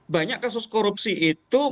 banyak kasus korupsi itu